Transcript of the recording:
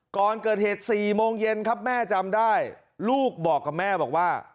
ก่อนเกิดเหตุ๔โมงเย็นครับแม่จำได้ลูกบอกกับแม่บอกว่า